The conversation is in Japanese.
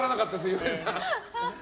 岩井さん。